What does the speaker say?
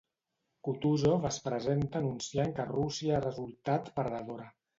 Kutúzov es presenta anunciant que Rússia ha resultat perdedora.